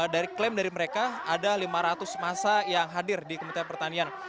dari klaim dari mereka ada lima ratus masa yang hadir di kementerian pertanian